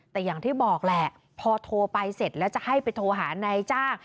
แต่อย่างที่บอกแหละพอโทรไปเสร็จแล้วจะให้ไปโทรหานายจ้าง